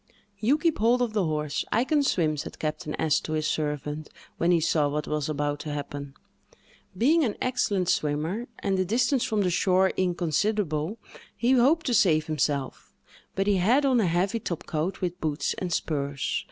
"You keep hold of the horse—I can swim," said Captain S—— to his servant, when he saw what was about to happen. Being an excellent swimmer, and the distance from the shore inconsiderable, he hoped to save himself, but he had on a heavy top coat, with boots and spurs.